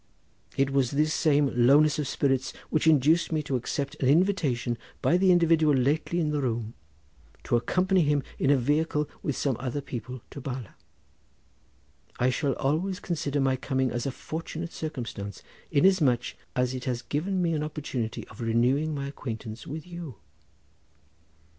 It was this same lowness of spirits which induced me to accept an invitation made by the individual lately in the room to accompany him in a vehicle with some other people to Bala. I shall always consider my coming as a fortunate circumstance inasmuch as it has given me an opportunity of renewing my acquaintance with you."